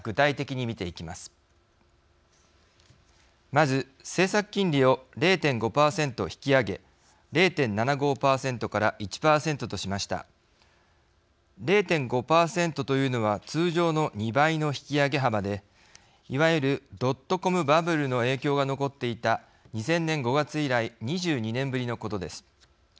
まず０．５％というのは通常の２倍の引き上げ幅でいわゆるドットコムバブルの影響が残っていた２０００年５月以来２２年ぶりのことです。